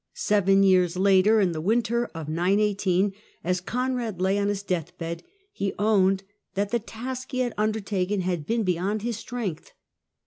911 918 Seven years later, in the winter of 918, as Conrad lay on his death bed, he owned that the task he had under taken had been beyond his strength.